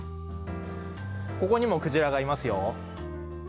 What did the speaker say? ここにもクジラがいますよ。